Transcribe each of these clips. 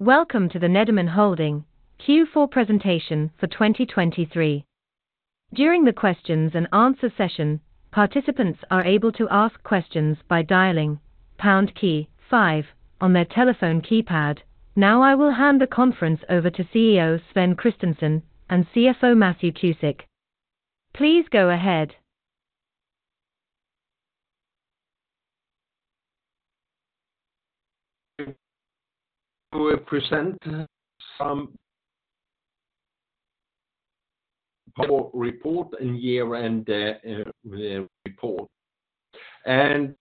Welcome to the Nederman Holding Q4 presentation for 2023. During the questions and answer session, participants are able to ask questions by dialing pound key five on their telephone keypad. Now, I will hand the conference over to CEO Sven Kristensson and CFO Matthew Cusick. Please go ahead. We will present some report and year-end, report, and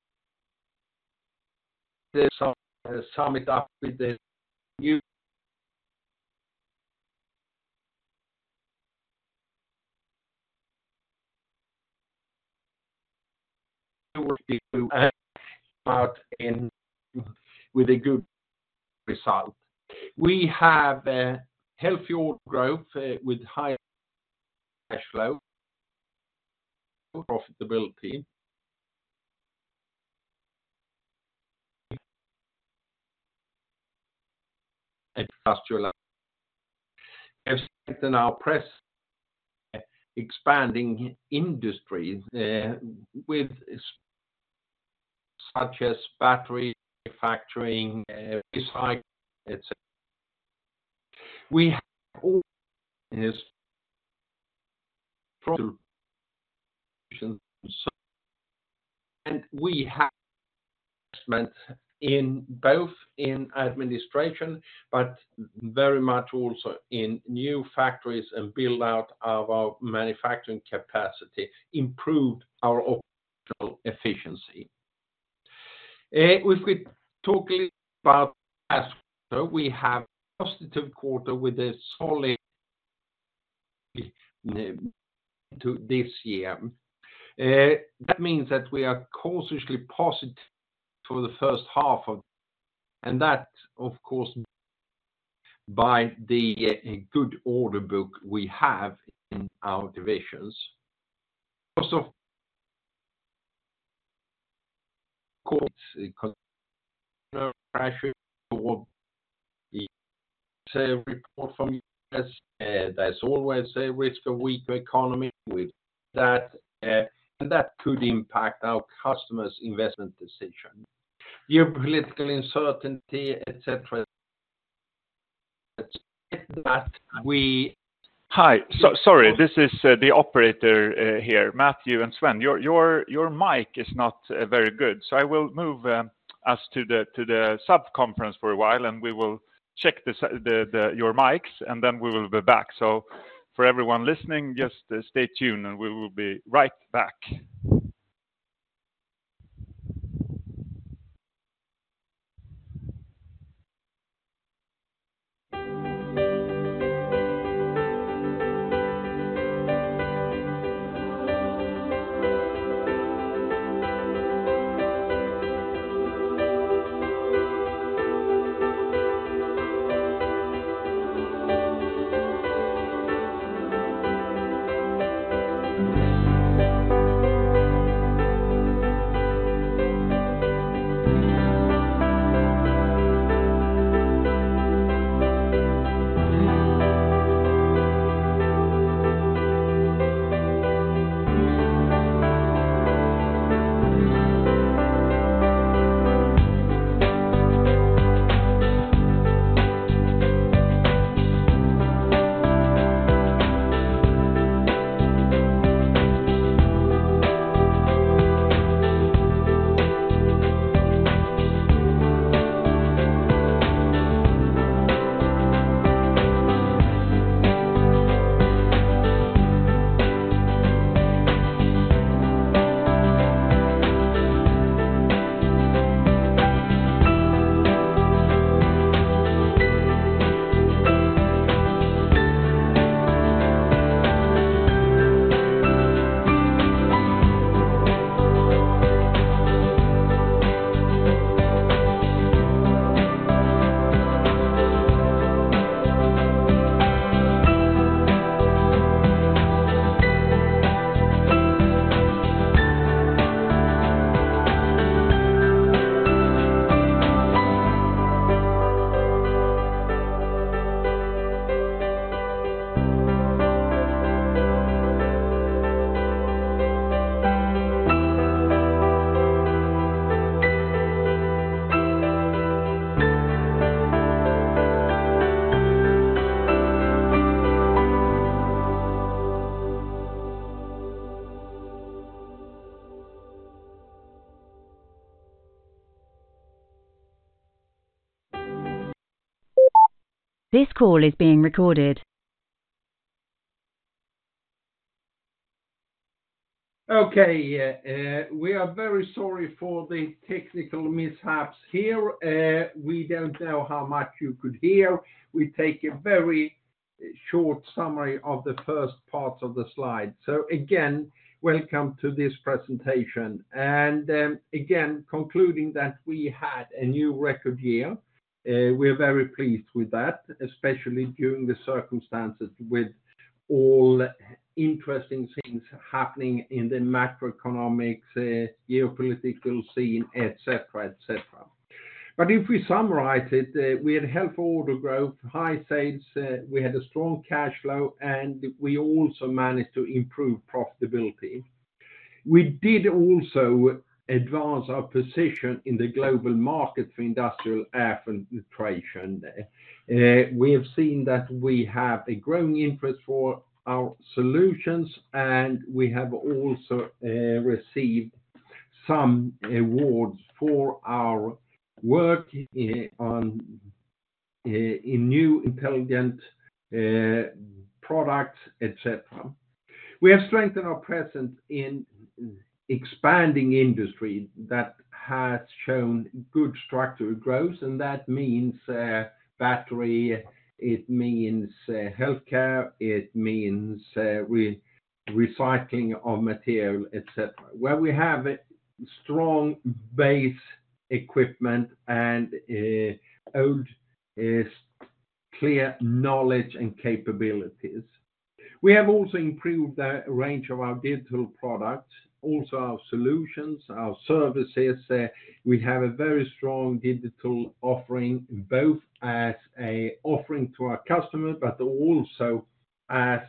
there's some, sum it up with the new out in with a good result. We have a healthy growth, with high cash flow, profitability and industrial. Have set in our press, expanding industry, with such as battery manufacturing, design, et cetera. We have all this from, and we have investment in both in administration, but very much also in new factories and build out of our manufacturing capacity, improved our operational efficiency. If we talk about as quarter, we have positive quarter with a solid to this year. That means that we are cautiously positive for the first half of, and that of course, by the, good order book we have in our divisions. Also, of course, pressure will be a report from U.S., there's always a risk of weaker economy with that, and that could impact our customer's investment decision, geopolitical uncertainty, et cetera, that we- Hi, so sorry. This is the operator here, Matthew and Sven. Your mic is not very good, so I will move us to the sub-conference for a while, and we will check your mics, and then we will be back. So for everyone listening, just stay tuned, and we will be right back. This call is being recorded. Okay. We are very sorry for the technical mishaps here. We don't know how much you could hear. We take a very short summary of the first parts of the slide. So again, welcome to this presentation, and again, concluding that we had a new record year. We're very pleased with that, especially during the circumstances all interesting things happening in the macroeconomics, geopolitical scene, et cetera, et cetera. But if we summarize it, we had healthy order growth, high sales, we had a strong cash flow, and we also managed to improve profitability. We did also advance our position in the global market for industrial air filtration. We have seen that we have a growing interest for our solutions, and we have also received some awards for our work on in new intelligent products, et cetera. We have strengthened our presence in expanding industry that has shown good structural growth, and that means battery, it means healthcare, it means recycling of material, et cetera, where we have a strong base equipment and old clear knowledge and capabilities. We have also improved the range of our digital products, also our solutions, our services. We have a very strong digital offering, both as a offering to our customers, but also as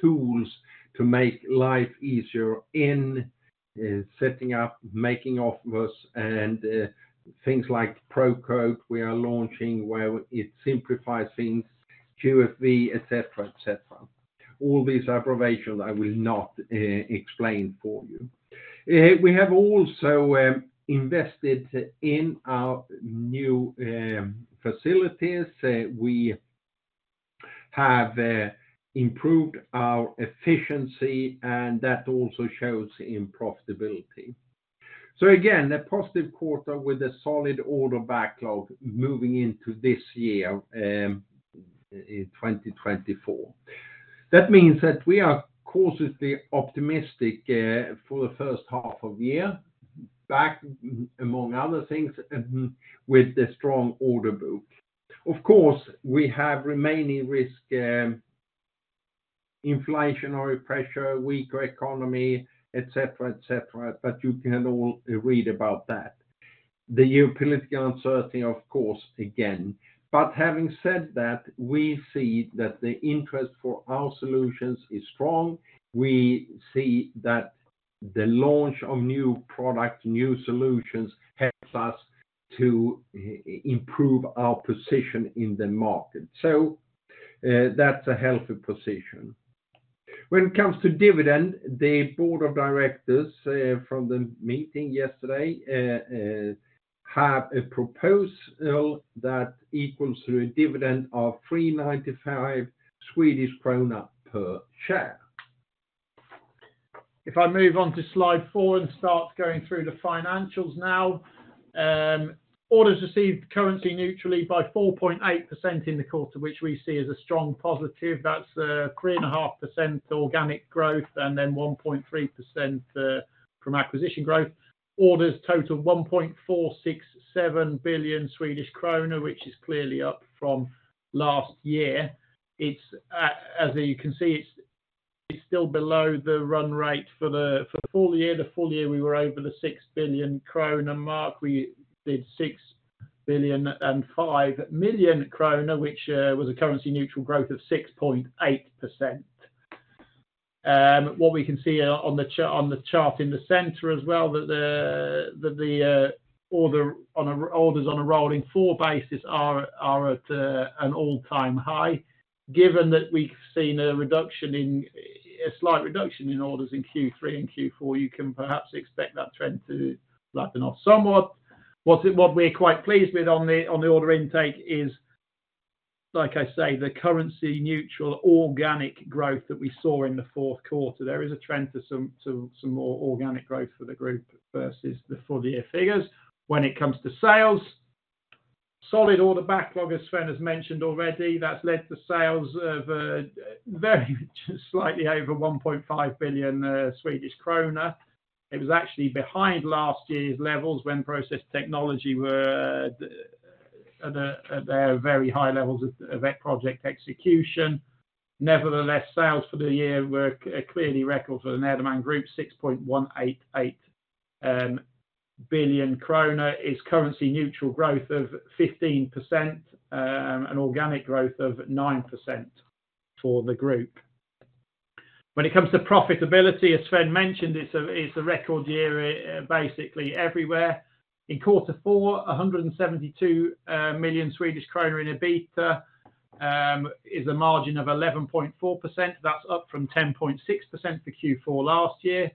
tools to make life easier in setting up, making offers, and things like ProQuote we are launching, where it simplifies things, QFV, et cetera, et cetera. All these abbreviations, I will not explain for you. We have also invested in our new facilities. We have improved our efficiency, and that also shows in profitability. So again, a positive quarter with a solid order backlog moving into this year, in 2024. That means that we are cautiously optimistic, for the first half of the year, backed, among other things, with the strong order book. Of course, we have remaining risk, inflationary pressure, weaker economy, et cetera, et cetera, but you can all read about that. The geopolitical uncertainty, of course, again. But having said that, we see that the interest for our solutions is strong. We see that the launch of new products, new solutions, helps us to improve our position in the market. So, that's a healthy position. When it comes to dividend, the board of directors, from the meeting yesterday, have a proposal that equals to a dividend of 3.95 Swedish krona per share. If I move on to slide 4 and start going through the financials now. Orders received currency neutrally by 4.8% in the quarter, which we see as a strong positive. That's 3.5% organic growth, and then 1.3% from acquisition growth. Orders total 1.467 billion Swedish krona, which is clearly up from last year. As you can see, it's still below the run rate for the full year. The full year, we were over the 6 billion kronor mark. We did 6.005 billion SEK, which was a currency neutral growth of 6.8%. What we can see on the chart in the center as well, that the orders on a rolling four basis are at an all-time high. Given that we've seen a slight reduction in orders in Q3 and Q4, you can perhaps expect that trend to flatten off somewhat. What we're quite pleased with on the order intake is, like I say, the currency neutral organic growth that we saw in the fourth quarter. There is a trend to some more organic growth for the group versus the full year figures. When it comes to sales, solid order backlog, as Sven has mentioned already, that's led to sales of very slightly over 1.5 billion Swedish kronor. It was actually behind last year's levels when Process Technology were at their very high levels of that project execution. Nevertheless, sales for the year were clearly record for the Nederman Group, 6.188 billion kronor is currency neutral growth of 15%, and organic growth of 9% for the group. When it comes to profitability, as Sven mentioned, it's a record year basically everywhere. In quarter four, 172 million Swedish kronor in EBITDA is a margin of 11.4%. That's up from 10.6% for Q4 last year.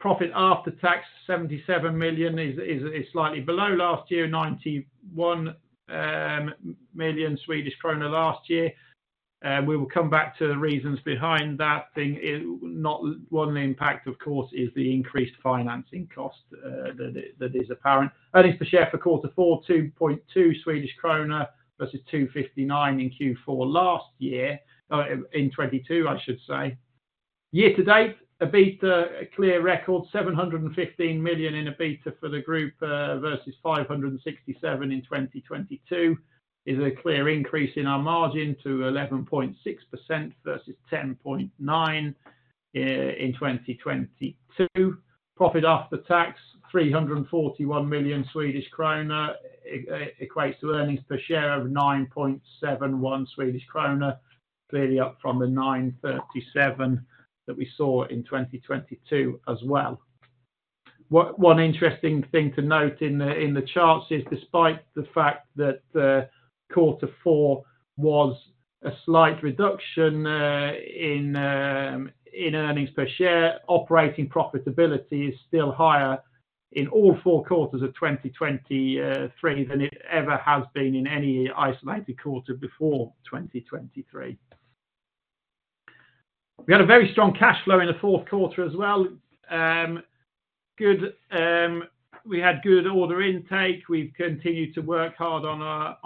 Profit after tax, 77 million, is slightly below last year, 91 million Swedish krona last year. We will come back to the reasons behind that thing. It- not... One impact, of course, is the increased financing cost, that is apparent. Earnings per share for quarter four, 2.2 Swedish krona versus 259 in Q4 last year, in 2022, I should say. Year to date, EBITDA, a clear record, 715 million in EBITDA for the group, versus 567 in 2022, is a clear increase in our margin to 11.6% versus 10.9%, in 2022. Profit after tax, 341 million Swedish krona, equates to earnings per share of 9.71 Swedish krona, clearly up from the 9.37 that we saw in 2022 as well. One interesting thing to note in the charts is despite the fact that quarter four was a slight reduction in earnings per share, operating profitability is still higher in all four quarters of 2023 than it ever has been in any isolated quarter before 2023. We had a very strong cash flow in the fourth quarter as well. Good, we had good order intake. We've continued to work hard on our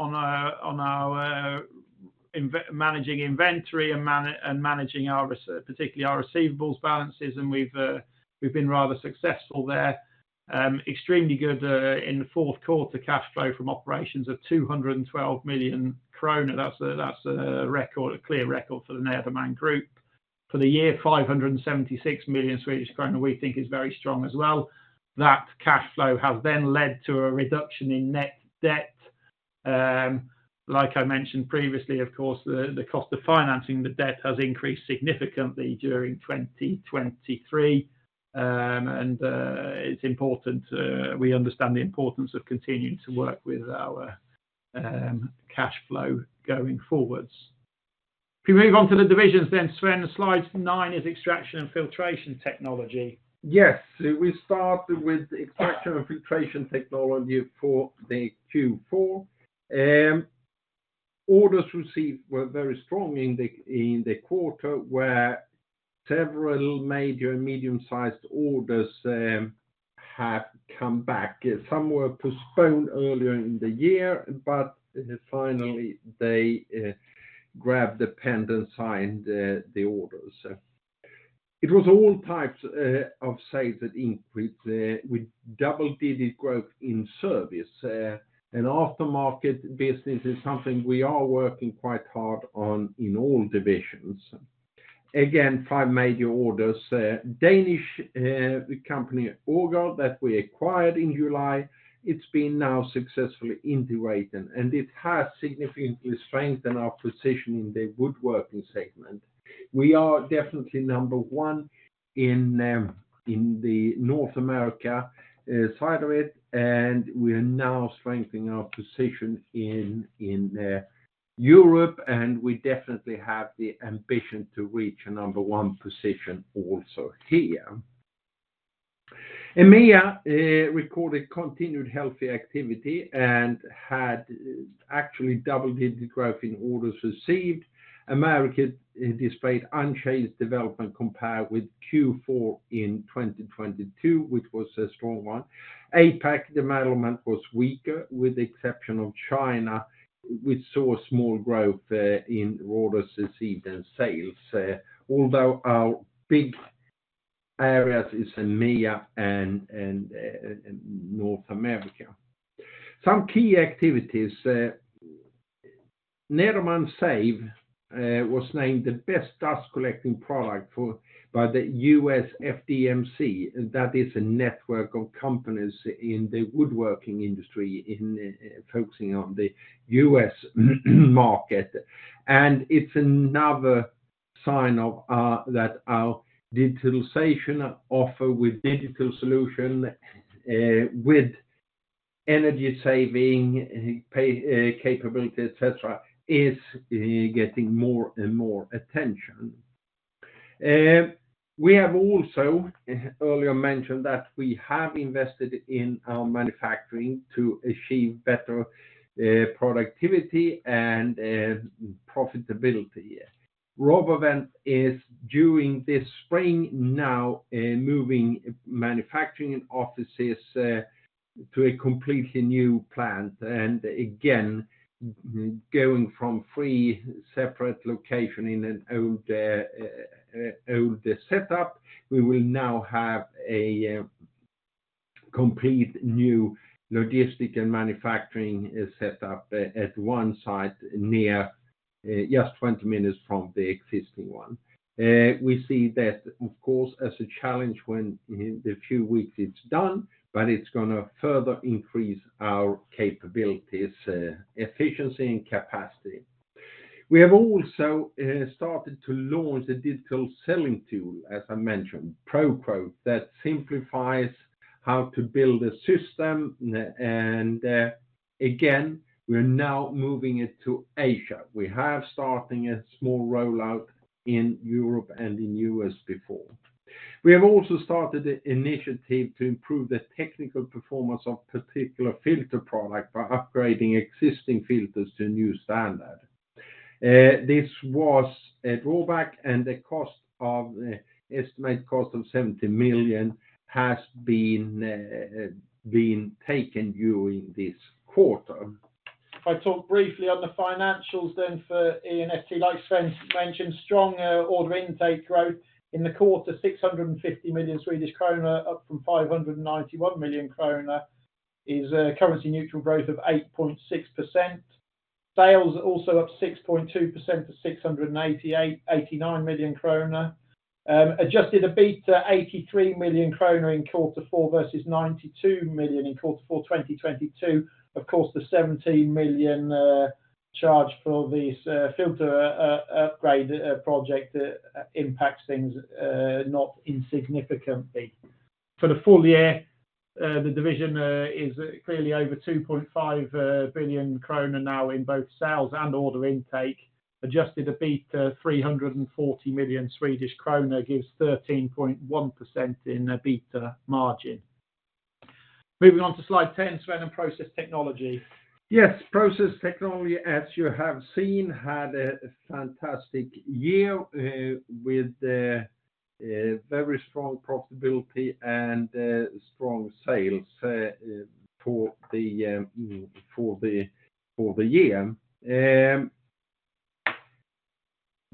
managing inventory and managing our, particularly our receivables balances, and we've been rather successful there. Extremely good in the fourth quarter, cash flow from operations of 212 million krona. That's a record, a clear record for the Nederman Group. For the year, 576 million Swedish krona, we think is very strong as well. That cash flow has then led to a reduction in net debt. Like I mentioned previously, of course, the cost of financing the debt has increased significantly during 2023. And, it's important. We understand the importance of continuing to work with our cash flow going forwards. If we move on to the divisions, then, Sven, slide 9 is Extraction and Filtration Technology. Yes, we start with Extraction and Filtration Technology for the Q4. Orders received were very strong in the quarter, where several major and medium-sized orders have come back. Some were postponed earlier in the year, but finally, they grabbed the pen and signed the orders. It was all types of sales that increased with double-digit growth in service. And aftermarket business is something we are working quite hard on in all divisions. Again, five major orders. Danish company, Aagaard, that we acquired in July, it's been now successfully integrated, and it has significantly strengthened our position in the woodworking segment. We are definitely number one in the North America side of it, and we are now strengthening our position in Europe, and we definitely have the ambition to reach a number one position also here. EMEA recorded continued healthy activity and had actually double-digit growth in orders received. Americas, it displayed unchanged development compared with Q4 in 2022, which was a strong one. APAC, development was weaker, with the exception of China, we saw a small growth in orders received and sales, although our big areas is EMEA and North America. Some key activities, Nederman SAVE was named the best dust collecting product by the US FDMC. That is a network of companies in the woodworking industry, focusing on the US market. And it's another sign of that our digitalization offer with digital solution with energy saving capability, et cetera, is getting more and more attention. We have also earlier mentioned that we have invested in our manufacturing to achieve better productivity and profitability. RoboVent is during this spring now moving manufacturing and offices to a completely new plant. And again, going from 3 separate location in an old old setup, we will now have a complete new logistic and manufacturing set up at one site near just 20 minutes from the existing one. We see that of course as a challenge when in the few weeks it's done, but it's gonna further increase our capabilities efficiency and capacity. We have also started to launch a digital selling tool, as I mentioned, ProQuote, that simplifies how to build a system. Again, we're now moving it to Asia. We have starting a small rollout in Europe and in U.S. before. We have also started an initiative to improve the technical performance of particular filter product by upgrading existing filters to a new standard. This was a drawback, and the estimated cost of 70 million has been taken during this quarter. If I talk briefly on the financials then for E&ST, like Sven mentioned, strong order intake growth in the quarter, 650 million Swedish krona, up from 591 million krona, is a currency neutral growth of 8.6%. Sales also up 6.2% to 689 million krona. Adjusted EBITDA, 83 million krona in quarter four versus 92 million in quarter four, 2022. Of course, the 17 million charge for this filter upgrade project impacts things not insignificantly. For the full year, the division is clearly over 2.5 billion krona now in both sales and order intake. Adjusted EBITDA, 340 million Swedish krona, gives 13.1% in the EBITDA margin. Moving on to slide 10, Sven, on Process Technology. Yes, Process Technology, as you have seen, had a fantastic year with a very strong profitability and strong sales for the year.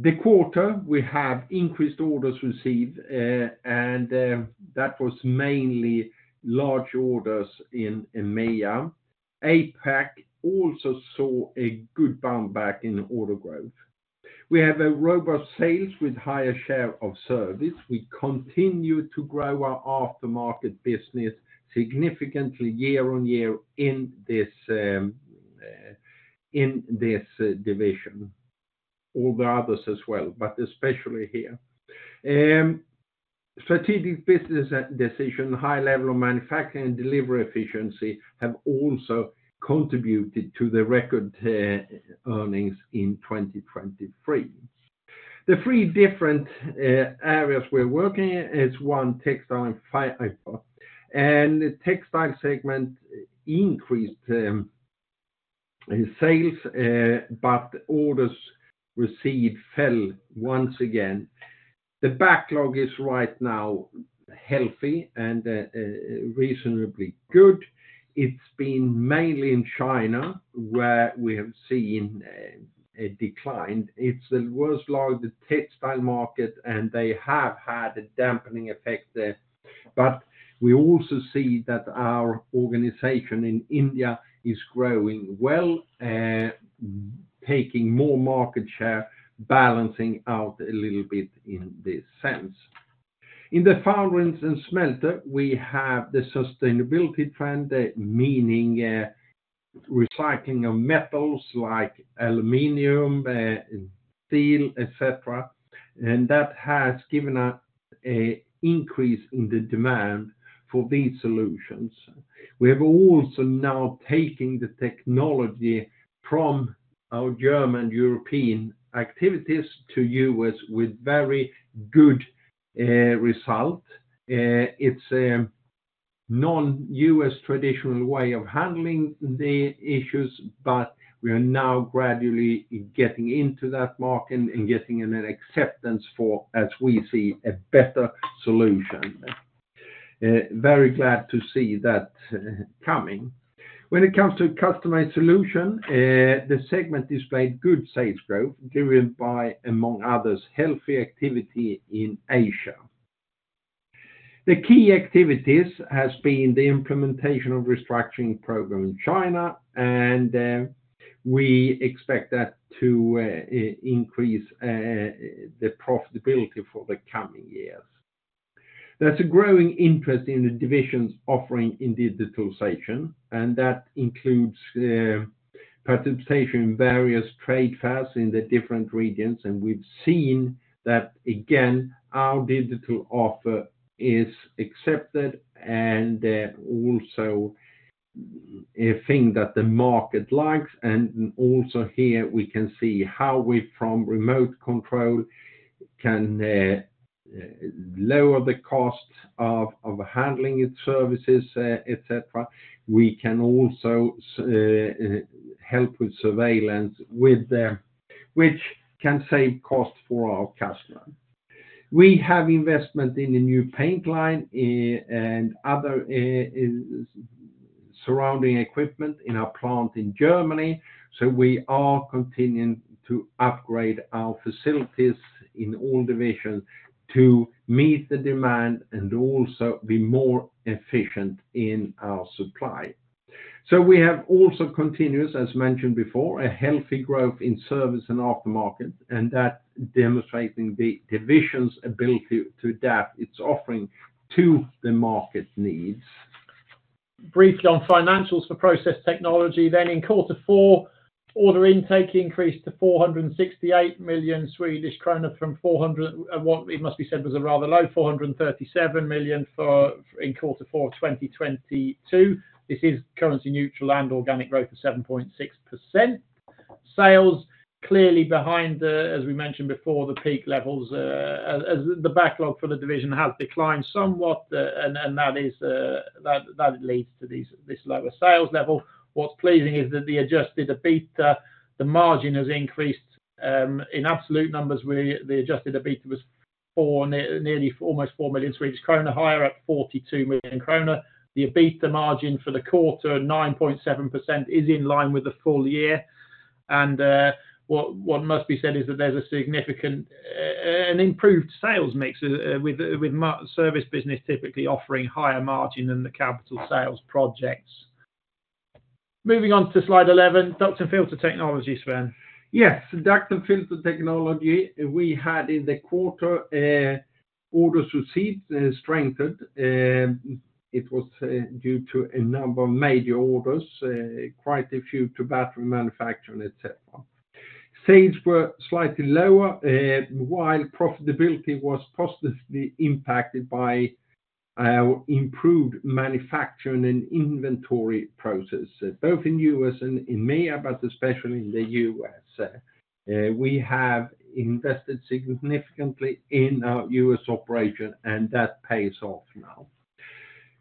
The quarter, we have increased orders received and that was mainly large orders in EMEA. APAC also saw a good bounce back in order growth. We have a robust sales with higher share of service. We continue to grow our aftermarket business significantly year on year in this division, all the others as well, but especially here. Strategic business decision, high level of manufacturing and delivery efficiency have also contributed to the record earnings in 2023. The three different areas we're working is one, textile and fiber, and the textile segment increased in sales but orders received fell once again. The backlog is right now healthy and reasonably good. It's been mainly in China, where we have seen a decline. It's the worst backlog, the textile market, and they have had a dampening effect there. But we also see that our organization in India is growing well, taking more market share, balancing out a little bit in this sense. In the foundries and smelter, we have the sustainability trend, meaning recycling of metals like aluminum and steel, et cetera, and that has given us an increase in the demand for these solutions. We have also now taking the technology from our German European activities to U.S. with very good result. It's a non-U.S. traditional way of handling the issues, but we are now gradually getting into that market and getting an acceptance for, as we see, a better solution. Very glad to see that coming. When it comes to customized solution, the segment displayed good sales growth, driven by, among others, healthy activity in Asia. The key activities has been the implementation of restructuring program in China, and we expect that to increase the profitability for the coming years. There's a growing interest in the division's offering in digitalization, and that includes participation in various trade fairs in the different regions, and we've seen that again, our digital offer is accepted, and also a thing that the market likes, and also here, we can see how we from remote control, can lower the cost of handling its services, et cetera. We can also help with surveillance with them, which can save costs for our customer. We have investment in the new paint line, and other, surrounding equipment in our plant in Germany, so we are continuing to upgrade our facilities in all divisions to meet the demand and also be more efficient in our supply. So we have also continuous, as mentioned before, a healthy growth in service and aftermarket, and that demonstrating the division's ability to adapt its offering to the market needs. Briefly on financials for Process Technology, then in quarter four, order intake increased to 468 million Swedish kronor from 437 million, what it must be said was a rather low, in quarter four 2022. This is currency neutral and organic growth of 7.6%. Sales, clearly behind, as we mentioned before, the peak levels, as the backlog for the division has declined somewhat, and that leads to this lower sales level. What's pleasing is that the adjusted EBITDA, the margin has increased in absolute numbers, where the adjusted EBITDA was nearly 4 million Swedish krona higher at 42 million krona. The EBITDA margin for the quarter, 9.7%, is in line with the full year. What, what must be said is that there's a significant, an improved sales mix, with, with service business typically offering higher margin than the capital sales projects. Moving on to Slide 11, Duct and Filter Technologies, Sven. Yes, Duct and Filter Technology, we had in the quarter orders received strengthened. It was due to a number of major orders, quite a few to battery manufacturing, et cetera. Sales were slightly lower, while profitability was positively impacted by improved manufacturing and inventory process, both in U.S. and in EMEA, but especially in the U.S. We have invested significantly in our U.S. operation, and that pays off now.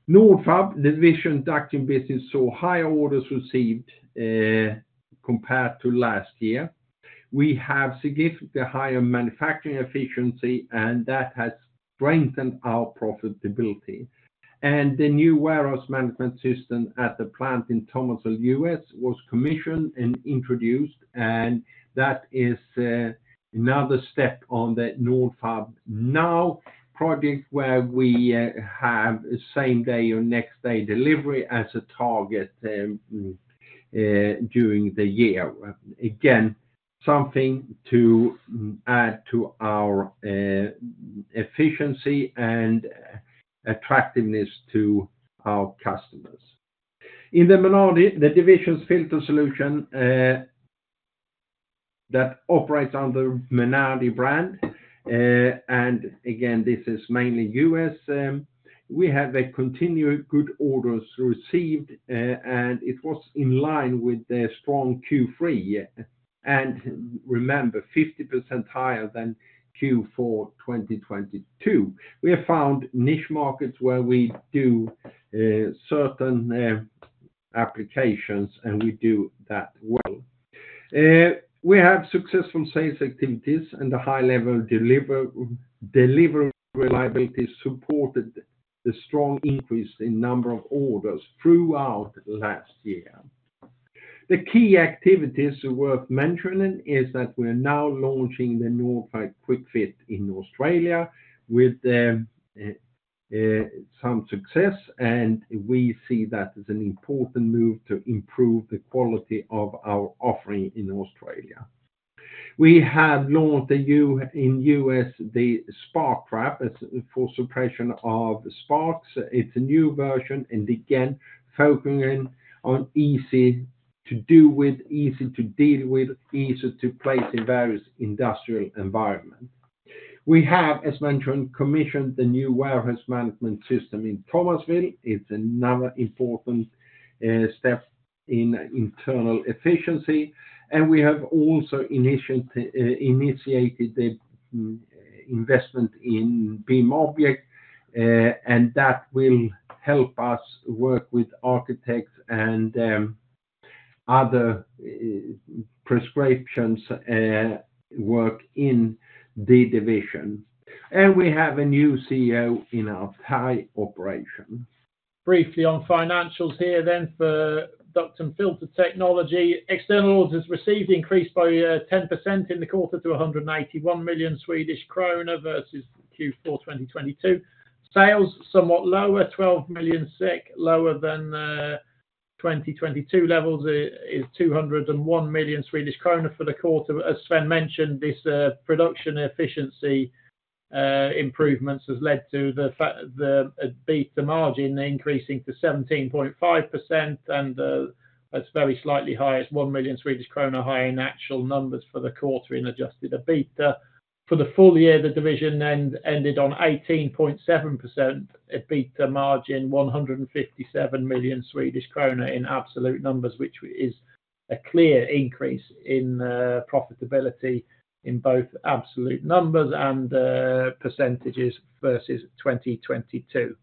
Nordfab Now division ducting business saw higher orders received compared to last year. We have significantly higher manufacturing efficiency, and that has strengthened our profitability. And the new warehouse management system at the plant in Thomasville, U.S., was commissioned and introduced, and that is another step on the Extraction and Filtration Technology project, where we have same day or next day delivery as a target during the year. Again, something to add to our efficiency and attractiveness to our customers. In the Menardi, the division's filter solution, that operates under Menardi brand, and again, this is mainly U.S., we have a continued good orders received, and it was in line with the strong Q3, and remember, 50% higher than Q4 2022. We have found niche markets where we do certain applications, and we do that well. We have successful sales activities and the high level of delivery reliability supported the strong increase in number of orders throughout last year. The key activities worth mentioning is that we are now launching the Nordfab QuickFit in Australia with some success, and we see that as an important move to improve the quality of our offering in Australia. We have launched a new, in U.S., the Spark Trap, it's for suppression of sparks. It's a new version, and again, focusing on easy to do with, easy to deal with, easy to place in various industrial environment. We have, as mentioned, commissioned the new warehouse management system in Thomasville. It's another important step in internal efficiency, and we have also initiated the investment in BIMobject, and that will help us work with architects and other specification work in the division. And we have a new CEO in our Thai operation. Briefly on financials here then, for Duct and Filter Technology, external orders received increased by 10% in the quarter to 181 million Swedish kronor versus Q4 2022. Sales somewhat lower, 12 million lower than 2022 levels, is 201 million Swedish kronor for the quarter. As Sven mentioned, this production efficiency improvements has led to the fact, the EBITDA margin increasing to 17.5%, and that's very slightly higher. It's 1 million Swedish krona higher in actual numbers for the quarter in adjusted EBITDA. For the full year, the division ended on 18.7% EBITDA margin, 157 million Swedish krona in absolute numbers, which is a clear increase in profitability in both absolute numbers and percentages versus 2022.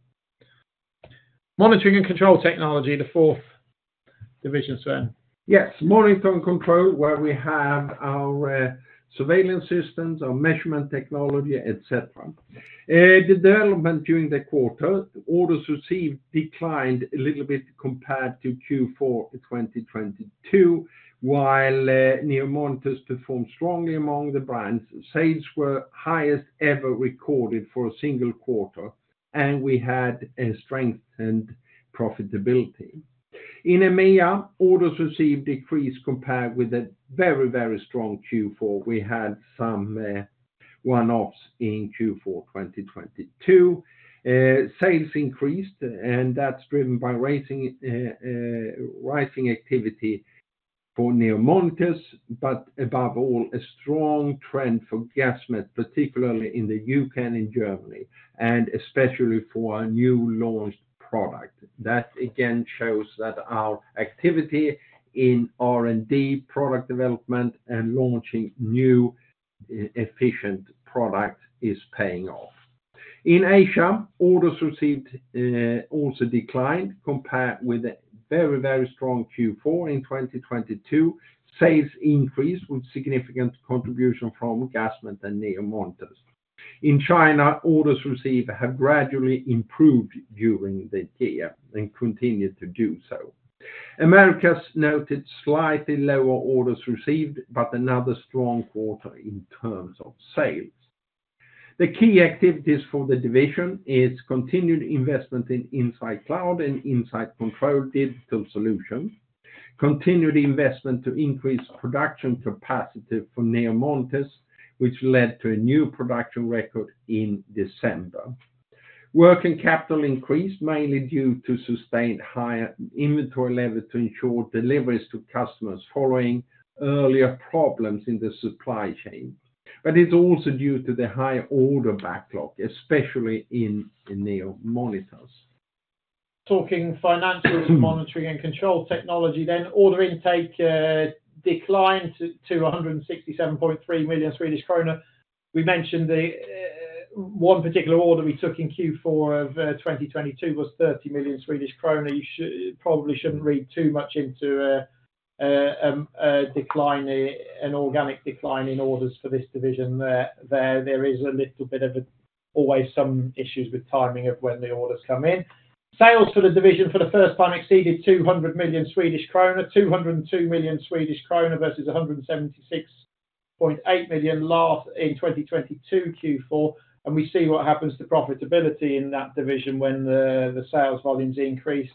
Monitoring and Control Technology, the fourth division, Sven. Yes, monitoring and control, where we have our surveillance systems, our measurement technology, et cetera. The development during the quarter, orders received declined a little bit compared to Q4 2022, while NEO Monitors performed strongly among the brands. Sales were highest ever recorded for a single quarter, and we had a strengthened profitability. In EMEA, orders received decreased compared with a very, very strong Q4. We had some one-offs in Q4 2022. Sales increased, and that's driven by rising activity for NEO Monitors, but above all, a strong trend for Gasmet, particularly in the U.K. and in Germany, and especially for our new launched product. That again shows that our activity in R&D, product development, and launching new efficient product is paying off.... In Asia, orders received also declined compared with a very, very strong Q4 in 2022. Sales increased with significant contribution from Gasmet and NEO Monitors. In China, orders received have gradually improved during the year and continued to do so. Americas noted slightly lower orders received, but another strong quarter in terms of sales. The key activities for the division is continued investment in Insight Cloud and Insight Control digital solution, continued investment to increase production capacity for NEO Monitors, which led to a new production record in December. Working capital increased, mainly due to sustained higher inventory levels to ensure deliveries to customers following earlier problems in the supply chain. But it's also due to the high order backlog, especially in NEO Monitors. Talking financials, Monitoring and Control Technology, then order intake declined to 167.3 million Swedish krona. We mentioned the one particular order we took in Q4 of 2022 was 30 million Swedish krona. You probably shouldn't read too much into a decline, an organic decline in orders for this division. There is a little bit of, always some issues with timing of when the orders come in. Sales for the division for the first time exceeded 200 million Swedish kronor, 202 million Swedish kronor versus 176.8 million last in 2022 Q4, and we see what happens to profitability in that division when the sales volumes increase.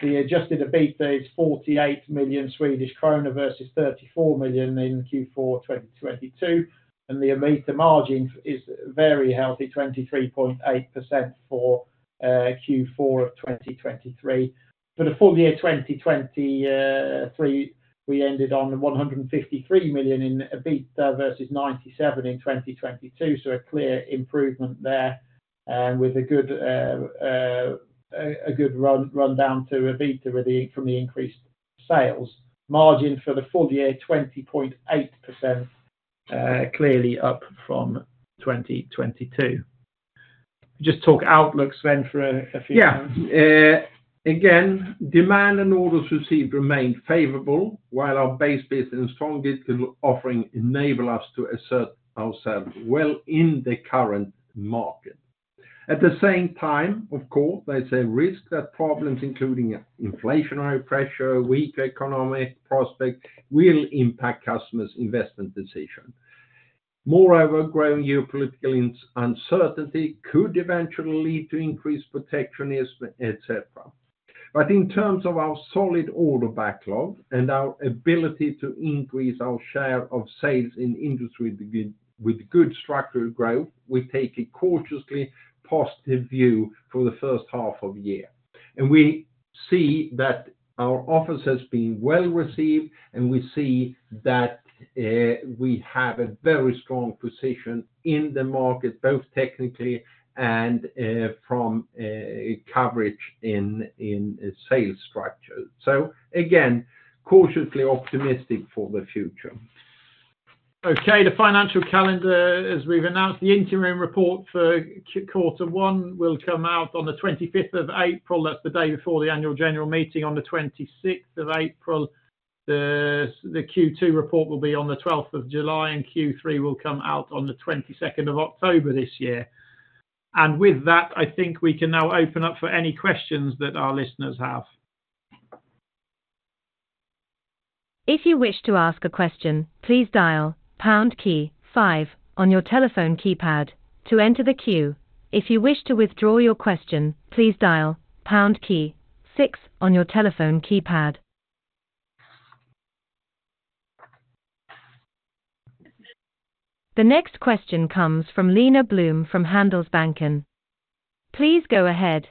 The adjusted EBITDA is 48 million Swedish krona versus 34 million in Q4 2022, and the EBITDA margin is very healthy, 23.8% for Q4 of 2023. For the full year 2023, we ended on 153 million in EBITDA versus 97 million in 2022, so a clear improvement there, with a good run down to EBITDA from the increased sales. Margin for the full year, 20.8%, clearly up from 2022. Just talk outlook, Sven, for a few minutes. Yeah. Again, demand and orders received remain favorable, while our base business strong digital offering enable us to assert ourselves well in the current market. At the same time, of course, there's a risk that problems, including inflationary pressure, weak economic prospect, will impact customers' investment decision. Moreover, growing geopolitical insecurity could eventually lead to increased protectionism, et cetera. But in terms of our solid order backlog and our ability to increase our share of sales in industry with good, with good structural growth, we take a cautiously positive view for the first half of the year. And we see that our offering has been well received, and we see that we have a very strong position in the market, both technically and from coverage in sales structure. So again, cautiously optimistic for the future. Okay, the financial calendar, as we've announced, the interim report for Q1 will come out on the 25th of April. That's the day before the annual general meeting on the 26th of April. The Q2 report will be on the 12th of July, and Q3 will come out on the 22nd of October this year. With that, I think we can now open up for any questions that our listeners have. If you wish to ask a question, please dial pound key five on your telephone keypad to enter the queue. If you wish to withdraw your question, please dial pound key six on your telephone keypad. The next question comes from Lina Blume, from Handelsbanken. Please go ahead.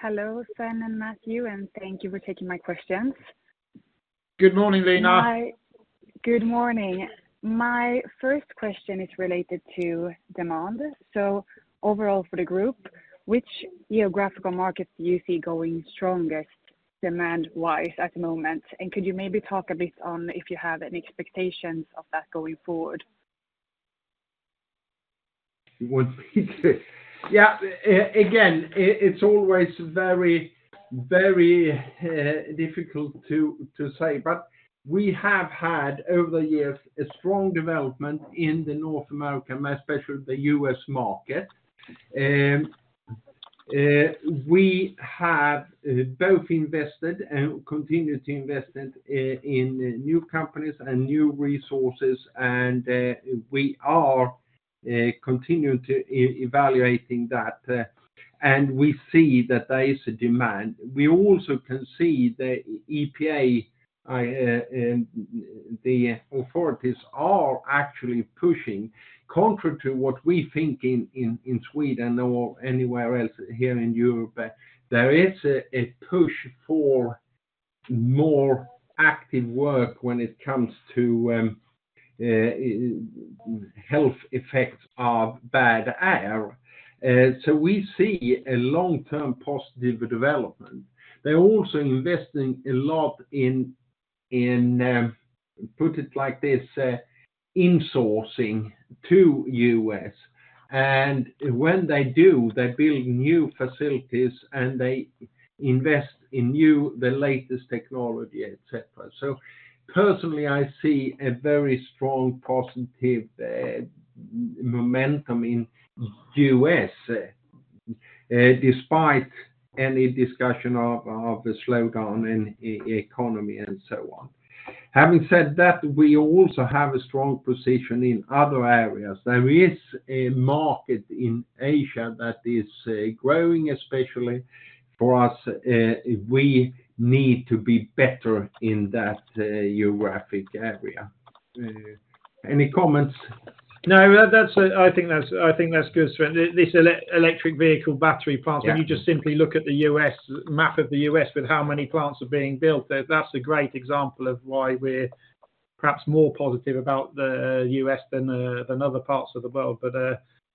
Hello, Sven and Matthew, and thank you for taking my questions. Good morning, Lina. Hi. Good morning. My first question is related to demand. So overall for the group, which geographical markets do you see going strongest, demand-wise at the moment? And could you maybe talk a bit on if you have any expectations of that going forward? Well, yeah, again, it's always very, very difficult to say, but we have had, over the years, a strong development in North America, most especially the U.S. market. We have both invested and continue to invest in new companies and new resources, and we are continuing to evaluate that, and we see that there is a demand. We also can see the EPA, the authorities are actually pushing, contrary to what we think in Sweden or anywhere else here in Europe, there is a push for more active work when it comes to health effects of bad air. So we see a long-term positive development. They're also investing a lot, put it like this, insourcing to U.S. And when they do, they build new facilities, and they invest in new, the latest technology, et cetera. So personally, I see a very strong, positive, momentum in U.S., despite any discussion of a slowdown in the economy and so on. Having said that, we also have a strong position in other areas. There is a market in Asia that is growing, especially for us, we need to be better in that geographic area. Any comments? No, that's, I think that's good, Sven. This electric vehicle battery plant- Yeah... you just simply look at the U.S. map of the U.S. with how many plants are being built, that's a great example of why we're perhaps more positive about the U.S. than other parts of the world. But,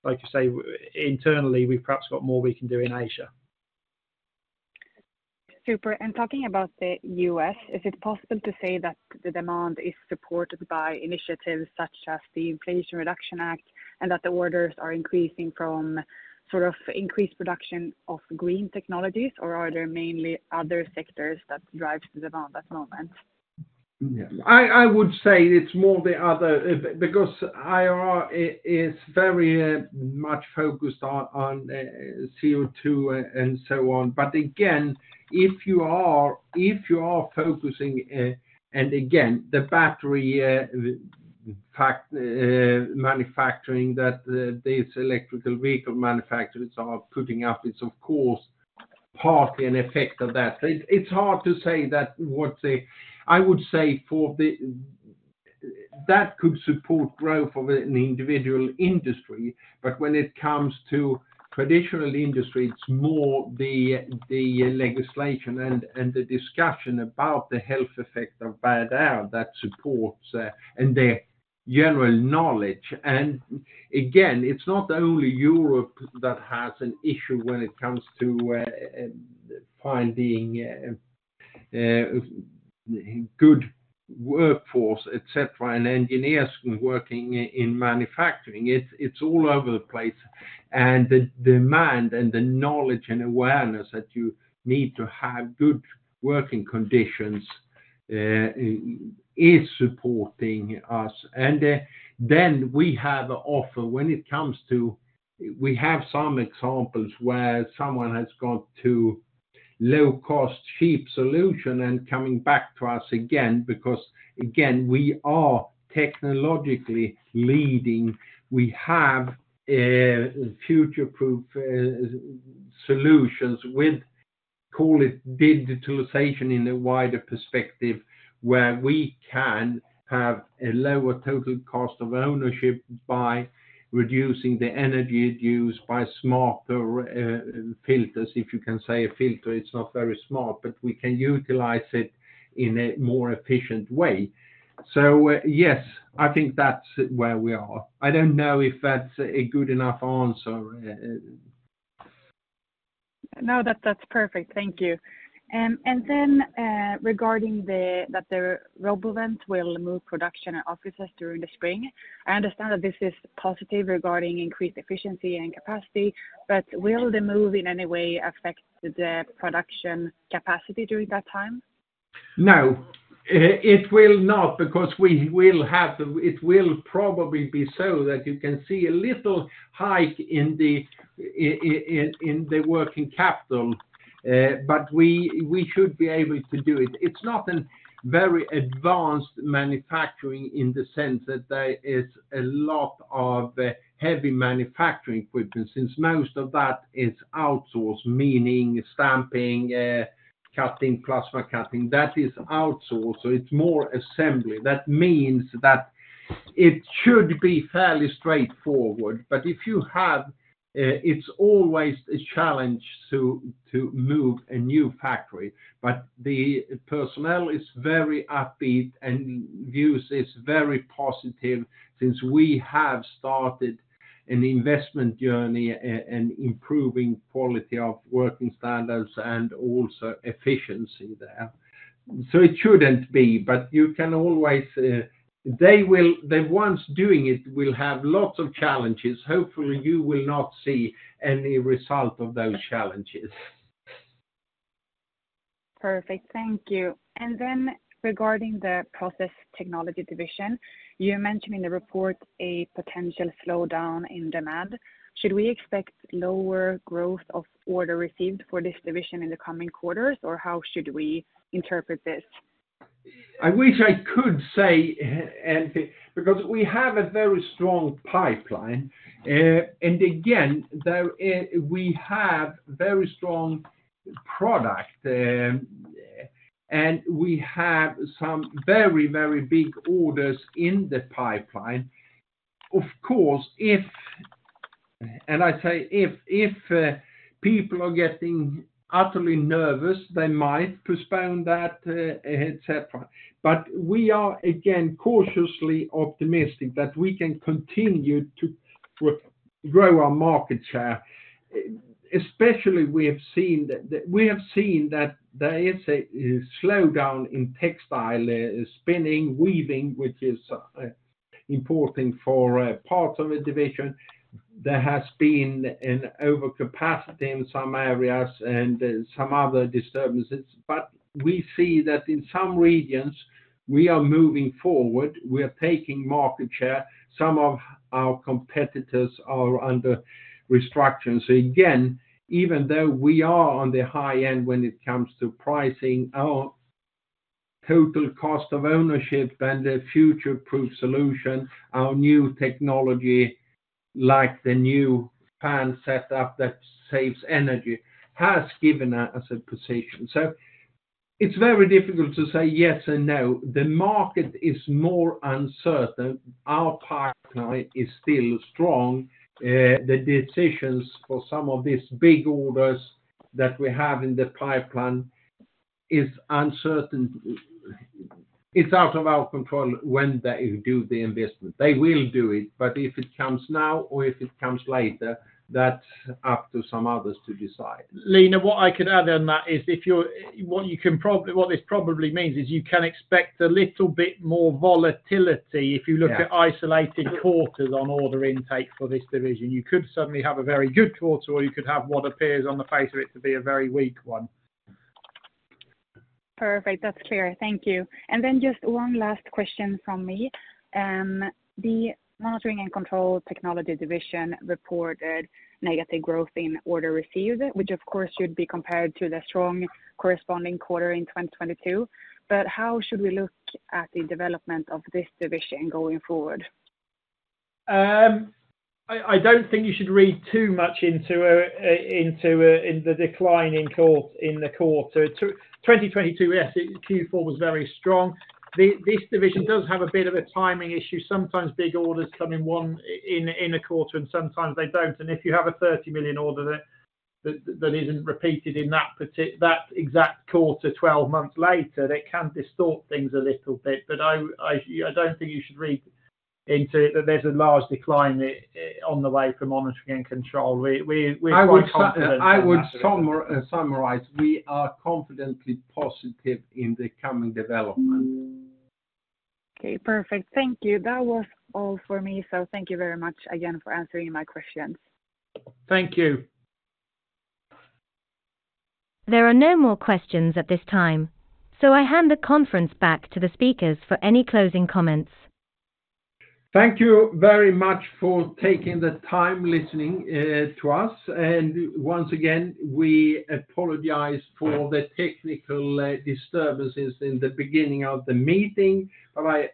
like you say, internally, we've perhaps got more we can do in Asia. Super. Talking about the U.S., is it possible to say that the demand is supported by initiatives such as the Inflation Reduction Act, and that the orders are increasing from sort of increased production of green technologies? Or are there mainly other sectors that drives the demand at the moment? Yeah. I would say it's more the other, because IRA is very much focused on CO2 and so on. But again, if you are focusing, and again, the battery factory manufacturing that the these electric vehicle manufacturers are putting up, it's of course partly an effect of that. It's hard to say what the- I would say that that could support growth of an individual industry, but when it comes to traditional industry, it's more the legislation and the discussion about the health effect of bad air that supports and the general knowledge. And again, it's not only Europe that has an issue when it comes to finding good workforce, et cetera, and engineers working in manufacturing. It's all over the place. And the demand and the knowledge and awareness that you need to have good working conditions is supporting us. And then we have an offer. When it comes to, we have some examples where someone has gone to low cost, cheap solution and coming back to us again, because, again, we are technologically leading. We have future-proof solutions with, call it digitalization in a wider perspective, where we can have a lower total cost of ownership by reducing the energy use by smarter filters, if you can say a filter, it's not very smart, but we can utilize it in a more efficient way. So yes, I think that's where we are. I don't know if that's a good enough answer. No, that's perfect. Thank you. And then, regarding that the RoboVent will move production and offices during the spring, I understand that this is positive regarding increased efficiency and capacity, but will the move in any way affect the production capacity during that time? No, it will not, because we will have the-- it will probably be so that you can see a little hike in the working capital, but we should be able to do it. It's not a very advanced manufacturing in the sense that there is a lot of heavy manufacturing equipment, since most of that is outsourced, meaning stamping, cutting, plasma cutting, that is outsourced, so it's more assembly. That means that it should be fairly straightforward, but if you have, it's always a challenge to move a new factory. But the personnel is very upbeat and views is very positive since we have started an investment journey and improving quality of working standards and also efficiency there. So it shouldn't be, but you can always... They will, the ones doing it will have lots of challenges. Hopefully, you will not see any result of those challenges. Perfect. Thank you. And then regarding the Process Technology division, you mentioned in the report a potential slowdown in demand. Should we expect lower growth of order received for this division in the coming quarters, or how should we interpret this? I wish I could say, and because we have a very strong pipeline, and again, there, we have very strong product, and we have some very, very big orders in the pipeline. Of course, if, and I say if, people are getting utterly nervous, they might postpone that, et cetera. But we are, again, cautiously optimistic that we can continue to grow our market share, especially we have seen that, that we have seen that there is a slowdown in textile spinning, weaving, which is important for parts of the division. There has been an overcapacity in some areas and some other disturbances, but we see that in some regions we are moving forward, we are taking market share. Some of our competitors are under restructuring. So again, even though we are on the high end when it comes to pricing, our total cost of ownership and the future-proof solution, our new technology, like the new fan setup that saves energy, has given us a position. So it's very difficult to say yes and no. The market is more uncertain. Our pipeline is still strong. The decisions for some of these big orders that we have in the pipeline is uncertain. It's out of our control when they do the investment. They will do it, but if it comes now or if it comes later, that's up to some others to decide. Lina, what I could add on that is, what this probably means is you can expect a little bit more volatility- Yeah... if you look at isolated quarters on order intake for this division. You could suddenly have a very good quarter, or you could have what appears on the face of it to be a very weak one. Perfect. That's clear. Thank you. And then just one last question from me. The Monitoring and Control Technology division reported negative growth in order received, which, of course, should be compared to the strong corresponding quarter in 2022. But how should we look at the development of this division going forward? I don't think you should read too much into the decline in the quarter. 2022, yes, Q4 was very strong. This division does have a bit of a timing issue. Sometimes big orders come in one quarter, and sometimes they don't. And if you have a 30 million order that isn't repeated in that exact quarter, 12 months later, that can distort things a little bit. But I don't think you should read into it that there's a large decline on the way for monitoring and control. We are quite confident on that. I would summarize, we are confidently positive in the coming development. Okay, perfect. Thank you. That was all for me. So thank you very much again for answering my questions. Thank you. There are no more questions at this time, so I hand the conference back to the speakers for any closing comments. Thank you very much for taking the time listening to us. And once again, we apologize for the technical disturbances in the beginning of the meeting. But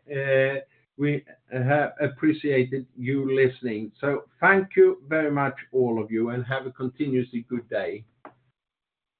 we have appreciated you listening. So thank you very much, all of you, and have a continuously good day.